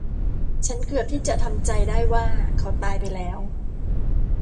ฉันเกือบที่จะทำใจได้ว่าเขาตายไปแล้ว